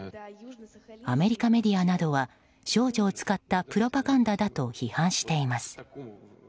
アメリカメディアなどは少女を使ったプロパガンダだと批判しています。